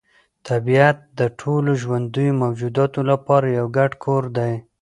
طبیعت د ټولو ژوندیو موجوداتو لپاره یو ګډ کور دی.